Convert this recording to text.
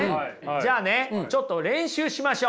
じゃあねちょっと練習しましょう。